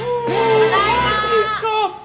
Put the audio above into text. ただいま。